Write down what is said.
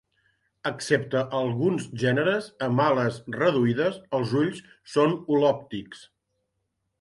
Excepte alguns gèneres amb ales reduïdes, els ulls són holòptics.